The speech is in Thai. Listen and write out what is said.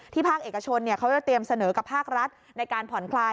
ภาคเอกชนเขาจะเตรียมเสนอกับภาครัฐในการผ่อนคลาย